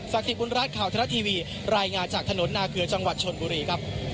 สิทธิบุญรัฐข่าวทรัฐทีวีรายงานจากถนนนาเกลือจังหวัดชนบุรีครับ